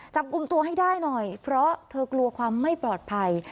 จับกลุ่มตัวให้ได้หน่อยเพราะเธอกลัวความไม่ปลอดภัย